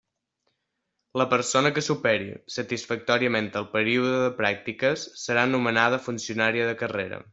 La persona que superi satisfactòriament el període de pràctiques serà nomenada funcionària de carrera.